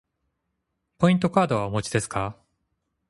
ポイントカードはお持ちですか。